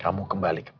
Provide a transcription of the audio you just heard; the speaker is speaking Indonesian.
kamu kembali ke papa